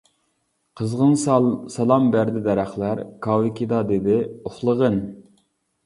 قىزغىن سالام بەردى دەرەخلەر، كاۋىكىدا دېدى: — ئۇخلىغىن!